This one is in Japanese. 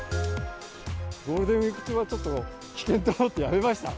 ゴールデンウィーク中は、ちょっと危険だと思ってやめました。